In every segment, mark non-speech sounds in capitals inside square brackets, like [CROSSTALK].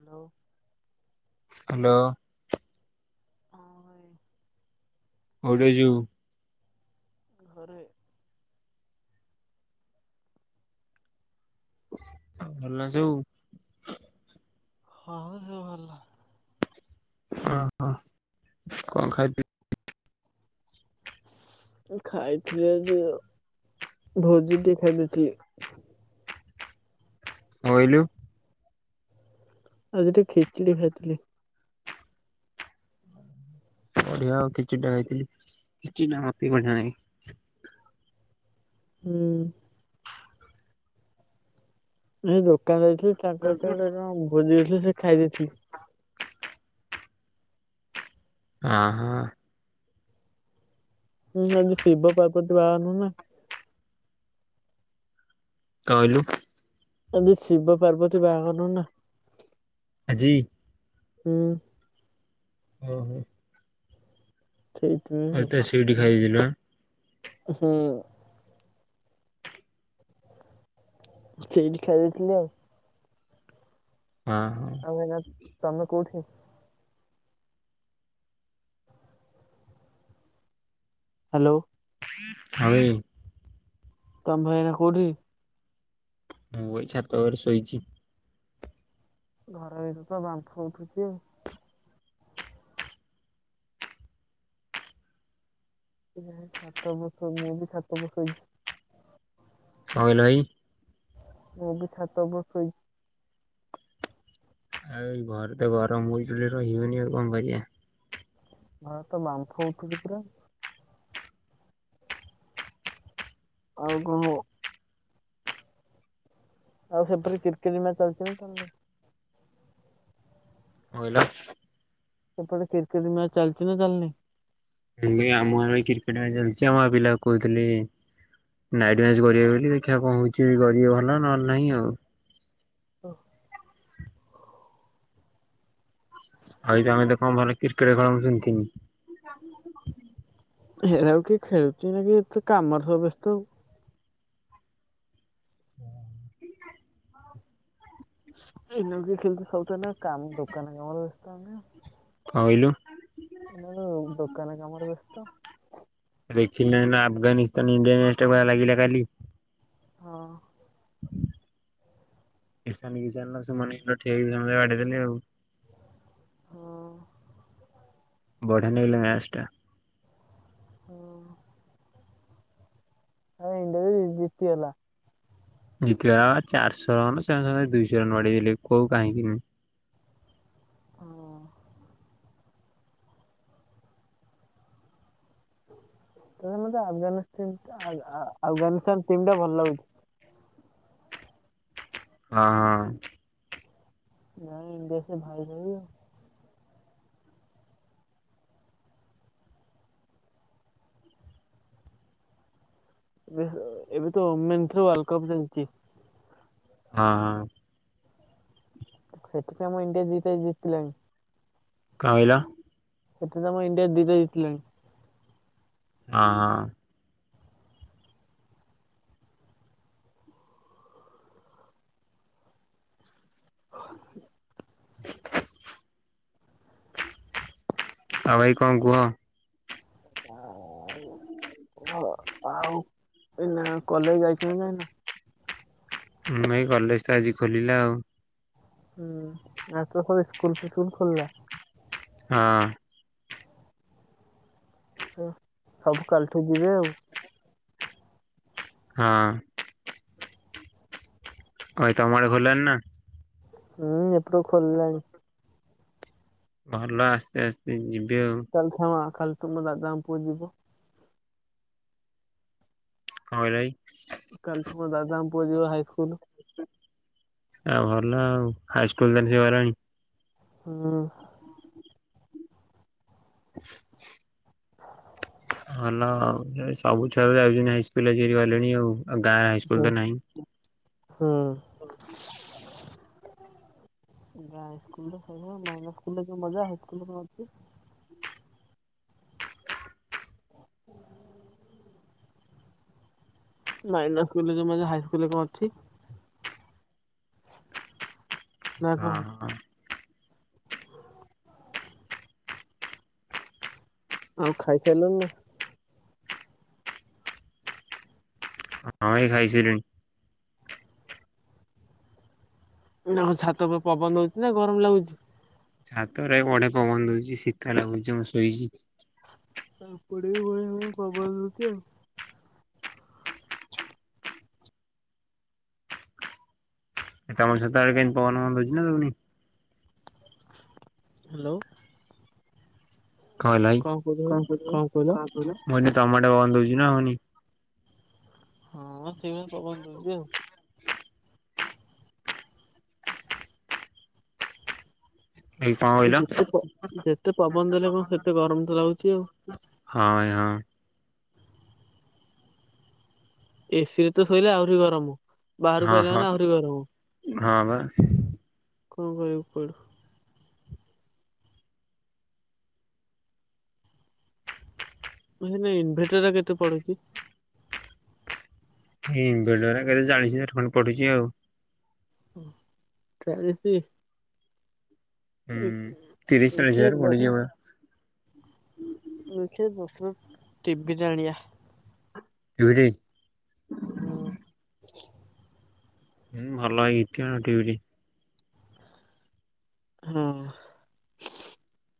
Hello. Hello. ହଁ କୋଉଠିକି ଅଛୁ? ଘରେ। ଆ ଭଲ ନାଁ ସବୁ? ହଁ ସବୁ ଭଲ। ଓ ହୋ କଁ ଖାଇଥି [INAUDIBLE] ଏ ଖାଇଥିଲି ଆଜି ଭୋଜିଟେ ଖାଇଦେଇଥିଲି। କଁ କହିଲୁ? ଆଜି ଟିକେ ଖିଚିଡ଼ି ଖାଇଥିଲି। ବଢ଼ିଆ ଆଉ ଖିଚିଡ଼ିଟା ଖାଇଥିଲି ଖିଚିଡ଼ିଟା ମତେ ବି ବଢିଆ ନାଗେ। ହୁଁ। ଏହି ଦ କାନ ଯାଇଥିଲି ତାଙ୍କ ସିଆଡ଼େ କଣ ଭୋଜିଦେଇଥିଲେ ସେଇଠି ଖାଇ ଦେଇଥିଲି। ଅଁ ହଁ। [UNINTELLIGIBLE] ଶିବ ପାର୍ବତୀ ବାହାଘର ନୁହଁ ନାଁ? କହିଲୁ ଆବେ ଶିବ ପାର୍ବତୀ ବାହାଘର ନୋଉ ନା। ଜି ହୁଁ। ଓହୋ। ଆଉ ତ ସେଇଠି ଖାଇଦେଇଥିଲୁ। ନୁହଁ? ହୁଁ। ସେଇଠି ଖାଇ ଦେଇଥିଲି ଆଉ। ହଁ। ହଁ ଆଉ ଏଇନା ତମେ କୋଉଠି? ହାଲୋ। ହଁ ବେ। ତମେ ଭାଇ ଏଇନା କୋଉଠି? ମୁଁ ଏଇ ଛାତ ଓପରେ ଶୋଇଚି। ଘର ଭିତରେ ତ ବାମ୍ଫ ଉଠୁଛି ଆଉ। ଏ ଯା ହେନେ ଛାତ ଓପରେ ଶୋ। ମୁଁ ବି ଛାତ ଓପରେ ଶୋଇଚି। କଁ କହିଲ ଭାଇ? ବି ଛାତ ଓପରେ ଶୋଇଚି। ଆ ଏଇ ଘରେ ତ ଗରମ ହୋଉଚି ଯେ ରହିହଉନି ଆଉ କଣ କରିବା? ଘରେ ତ ବାମ୍ଫ ଉଠୁଚି ପୁରା। ଆଉ କହ। ଆଉ ସେପରେ କ୍ରିକେଟ ମ୍ୟାଚ ଚାଲିଚି ନାଁ ଚାଲିନେଇ? କଁ କହିଲ? ସେପଟେ କ୍ରିକେଟ ମ୍ୟାଚ ଚାଲିଚି ନାଁ ଚାଲିନେଇ? ହଁ ଭାଇ ଆମ ଗାଁରେ ବି କ୍ରିକେଟ ମ୍ୟାଚ ଚାଲିଚି। ଆମ ପିଲା କୋହୁଥୁଲେ ନାଇଟ୍ ମ୍ୟାଚ କରିବେ ବୋଲି ଦେଖିଆ କଣ କରିବେ ଭଲ ନହେଲେ ନାହିଁ ଆଉ। ଓଃ। ଆଉ ତ ଆମେ ଦେଖ ଭଲ କ୍ରିକେଟ ଖେଳ ଶଣିତିନି। ଯେଟ କିି ଏତେ କାମରେ ସବ ବ୍ୟସ୍ତ ଆଉ। ହୁଁ। ଏଉକ ଖେଳ ସବଥ ନା। କାମ ଦୋକାନ କମ ରେ ତାମ କହିଲୁ। ଏ ଦୋକାନ କାମର ବେସ୍ତ। ଦେଖ ନା ନା ଅଫଗାନିସ୍ତାନ ଇଡିଆ ନଷ୍ଟା କର ଲାଗିଲ କାଲି। ହଁ। କିସାନିକି ଜାଣିଲ ସେ ମନ ଠ ବାଡିଇଦେଲି ଆଉ। ହଁ ବଢା ନଲେ ମ୍ୟାଚ ଟା। ହଁ ଆ ନିଇଟ ଜିତିଗଲା। ଜିତିବା ଚାରିଶହ ରନ୍ ସାଙ୍ଗେ ସାଙ୍ଗେ ଦୁଇଶହ ରନ୍ ମାଡେଇଦେଲେ କୋଉ କାହିଁକିନି। ହ। ତାଲେ ମତେ ଆଫଗାନିସ୍ତ ଆଫଗାନିସ୍ତାନ ଟିମ ଟା ଭଲ ଲାଗୁଛି। ହଁ ହଁ। ନାଇଁ ଦେଶ ଭାଇ ଯାଇଉ। ଏବେ ତ ମେଥ ୱାର୍ଲଡ କପ ଚାଲିଛି। ହଁ ହଁ। ସେଥିପାଇଁ ଆମ ଇଣ୍ଡିଆ ଜିତ ଜିତିଥିଲଣି। କଁ କଇଲ। ସେଥିରେ ତ ଆମ ଇଣ୍ଡିଆ ଦୁଇଟା ଜିତିଲାଣି। ହଁ ହ। ହ। ଆଉ ଭାଇ କଣ କୁହ? ହ ଆଉ ପନା?? କଲେଜ ଯାଇଛନ୍ତି କାଇଁନା? ମୁଁ ଭାଇ କଲେଜ ତ ଆଜି ଖୋଲିଲା ଆଉ। ହୁଁ ଆ ତ ହଉ ଇସ୍କୁଲ ଫିସ୍କୁଲ ଖୋଲିଲା। ହଁ। ହ ସବୁ କାଲିଠୁ ଯିବେ ଆଉ। ହଁ। ଆ ତ ଆମର ଘଲଣି ନା? ହୁଁ ଏପଡ ଖଲଲାଣି। ଭଲ ଆସ୍ତେ ଆସ୍ତେ ଯି ଚାଲସମା। କାଲି ତୋ ମୋ ଦାଦା ଙ୍କ ପୁଅ ଯିବ। କ ଭାଇ। ହଁ ଦାଦାଙ୍କ ପୁଅ ଯିବ ହାଇସ୍କୁଲ। ଆ ଭଲ ଆଉ ହାଇସ୍କୁଲ ତାନେ ସେ ଗଲାଣି। ହଁ। [INAUDIBLE] ଭଲ ସବୁ ଛୁଆ ଯାଉଛନ୍ତି ହାଇ ସ୍କୁଲ ଯିରି ଗଲେଣି ଆଉ। ଗାଁ ହୁଁ ହାଇସ୍କୁଲ ତ ନାହିଁ। ମାଇ ସ୍କୁ ମଜା ହାଇ ସ୍କୁଛି। ମାଇନା ସ୍କୁଲୁ ରେ ଯଉ ମଜା, ହାଇ ସ୍କୁଲ ରେ କଣ ଅଛି? ନା ହଁ କଣ? ହଁ। ଆଉ ଖାଇ ଖାଇଲୁ ନା। ହଁ ଏଇ ଖାଇସିଲୁଣି। ଛାତ ଉପ ପବନ ହଉଛି ନା ଗରମ ଲାଗୁଛି। ଛାତରେ ବଡେ ପବନ ହଉଛି ଶୀତ ଲଜମ ଶୋଇଛି। ଆମ ପଟେ ବି ପବନ ହଉଛି। ଏ ତମ ସତବେଳେ କେତି ପନ ବଉଛି ନା ଦଉନି? ହ୍ୟାଲୋ। କାଇ କଣ କଣ କାଇଲ? ତମ ଟେ ବନ୍ଦ ହଉଛିୁ ନା ହଉନି? ହଁ ସେଇଭଳି ପବନ ଦଉଛି ଆଉ। ଏଇ କଣ କହିଲ ଯେତେ ଯେତେ ପବନ ଦେଲେ କଣ ସେତେ ଗରମ ତ ଲାଗୁଛି ଆଉ। ହଁ ଭାଇ ହଁ ଏସି ରେ ତ ଶୋଇଲେ ଆହୁରି ଗରମ ବାହାରକୁ ହଁ ଆଲା ହଁ ମାନ ଆହୁରି ଗରମ। ହଁ ବା କଣ କରିବା କୁଆଡୁ। ନଭେଟର କେତେ ପଡେ କି? ଇନଭେଟର ଆ କେତ ଚାଳିଶ ହଜାର ଖଣ୍ଡେ ପଡୁଛି ଆଉ। ଓ ଚାଲିଚି। ହୁଁ ତିରିଶ ଚାଳି ଦେଖେ ହଜାର ପ ଯେମ। ହ। ମୁଖ ବତ ଟିଭିି ଆଣିବା। ଏଉରି ହଁ। ହଁ ଭଲ ହେଇଥିବ ହଁ।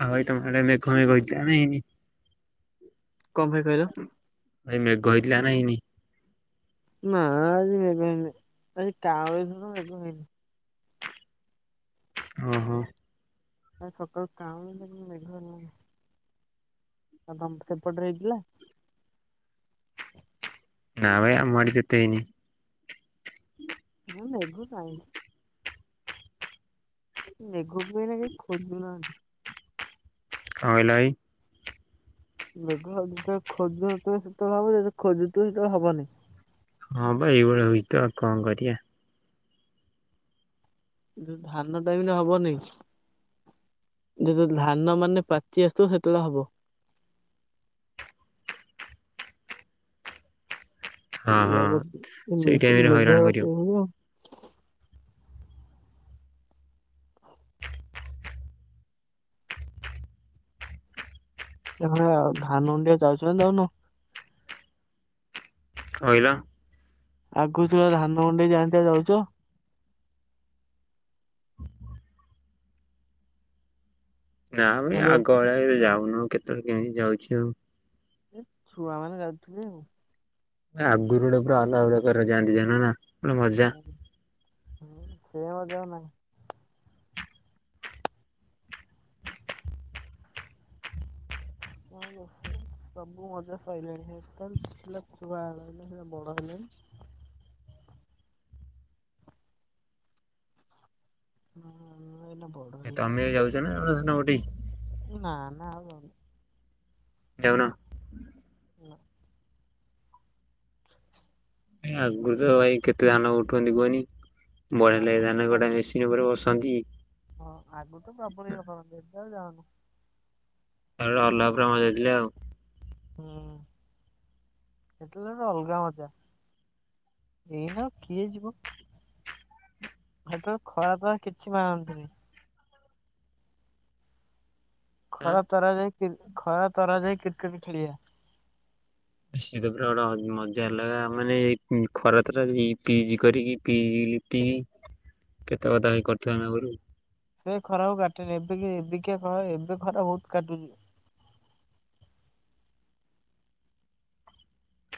ହ ଭାଇ ତ ମଡ ମେ ଘମ କତ ନାଇ? କଣ ଭାଇ କଇଲ। ଭାଇ ମେ ଘଥିଲଥିଲା ନା ହେଇନି। ନା ଅଜି ମେଘ ହେଇନି ଆଜି କଉଁଲି ମେଘ ହେଇନି। ହ ହୋ। ଆ ସକାଳ କାମ ବେଘ ଆଉ ସେପଟରେ ହେଇଥିଲା। ନା ଭାଇ ଆମ ଆଡେ ବି ଏତେ ହେଇନି। ନା ମେଘ କାଇଁ କି। ମେଘ କୁ ଏଇନା କେହି ଖୋଜୁନାହାନ୍ତି। କଣ କାଇଲ ଭାଇ? ମେଘ [UNINTELLIGIBLE] ସେତେବେଳେ ହେବନି। ହଁ ଭ ଏଇଭଳିଆ ହଇ ତ ଆଉ କଣ କରିବାଆ। ଧାନ ଟାଇମ ରେ ହବନି। ଯ ଧାନ ମାନେ ପାଚି ଆସଥ ସେତେବେଳେ ହବ। ହଁ ହଁ। ବା ସେଇ ଟାଇମ ରେ ମେଘ ହଇରାଣ କରିବ [UNINTELLIGIBLE] ଧାନ ଅଣ୍ଡିଆ ଯାଉଛନ୍ତି ଯାଉନ। କହିଲ। ଆଗୁଛ ଧାନ କୁଣ୍ଡେଇ ଯାଆନ୍ତି ଯାଉଛ? ନା ଆମେ ହ୍ୟାଲୋ ଆଗ ଭଳିଆରେ ଯାଉ କଣ କେତେବେଳେ କେମିତି ଯାଉଛି ଆଉ। ଏ ଛୁଆମାନେ ଯାଉଥିବେ ଆଉ। ଭାଇ ଆଗରୁ ଗୋଟେ ପୁରା ଅଲଗା ପ୍ରକାରର ଯାଆନ୍ତି ଜାଣନା? ମଜା। ସେ ମଜା ଆଉ ନାହିଁ। ହ ସବୁ ମଜା ସଇଲାଣି ହେ ଛୁଆ [UNINTELLIGIBLE] ବଡ ହେଲେଣି। ହଁ। ବଡ ଏ ତମେ ବି ଯାଉଛ ନା [UNINTELLIGIBLE] [UNINTELLIGIBLE] ନାଁ ନାଁ ଆଉ ଯାଉନି। ଯାଉନ? ନା ଆଗ [UNINTELLIGIBLE] [UNINTELLIGIBLE] ଉଠୁନି କୁହନି। ବଢି଼ଆ ଲାଗେ ଧାନ ଆଗକୁ କଟା ମେସିନ୍ ଉପରେ ବସ୍ କା [UNINTELLIGIBLE] ହଁ ଆଗରୁ ତ [INAUDIBLE] ଇଏ କରନ୍ତି ଏବେ ଆଉ ଯାଆନୁ। [UNINTELLIGIBLE] ହୁଁ ସେତେବେଳେ ଗୋଟ ଅଲଗା ମଜା ଏଇନା ଆଉ କିଏ ଯିବ ସେତେବେଳେ ଖରା ତରା କିଛି ମାନନ୍ତିନି। ଆଁ ଖରା ତରା ଯା ଖରା ତରାରେ ଯାଇ କ୍ରିକେଟ ଖେଳିବା ସିଏ ତ ପୁରା ଗୋଟେ ଅଲଗା ମଜା ମାନେ ଖରା ତରାରେ ପିଜ କରିକି ଲିପି ଲିପି କି କେତେ କଥା କରିଥିବ ନା କହିଲୁ। ସେ ଖରା କାଟେନି ଏବେ ଏବେକା ଏବେ ଖରା ବହୁତ କାଟୁଚି।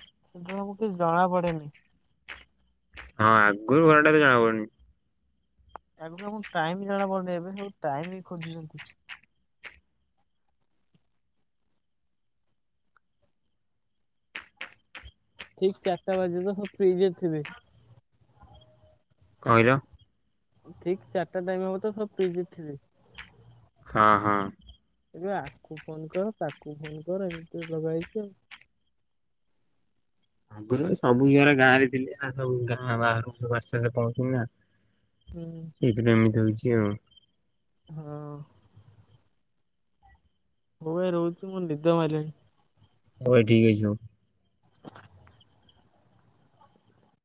[INAUDIBLE] ହଁ ମୁଁ କିଛି ଜଣା ପଡେନି ହଁ ଆଗରୁ [INAUDIBLE] ଜଣା ପଡୁନି ଆଗରୁ ସବୁ ଟାଇମ୍ ଜଣା ପଡୁନି ଏବେ ସବୁ ଟାଇମ ବି ଖୋଜୁଛନ୍ତି। ଠିକ ଚାରିଟା ବାଜୀବ ସବୁ ତ ଫିଲ୍ଡରେ ଥିବେ। କହିଲ ଠିକ ଚାରିଟା ଟାଇମ୍ ହବ ତ ସବୁ ଫିଲ୍ଡରେ ଥିବେ। ହଁ ହଁ। ଏବେ ଆକୁ ଫୋନ କର ତାକୁ ଫୋନ କର ଏମିତି ଲଗା ହେଇଛି ଆଉ ଆଗରୁ ସବୁ [UNINTELLIGIBLE] ଗାଁରେ ଥିଲେ ଗାଁ ବାହାରୁ ଆସିକି ପହଞ୍ଚୁନା। ହୁଁ ସେଇଥିପାଇଁ ଏମିତି ହଉଛି। କି ଆଉ ହଁ। ହଉ ଭାଇ ରହୁଚି ମୁଁ ନିଦ ମାଇଲାଣି। ହଉ ଭାଇ ଠିକ୍ ଅଛି ହଉ।